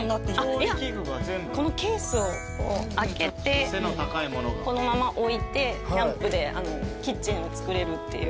いやこのケースを開けてこのまま置いてキャンプでキッチンをつくれるっていう。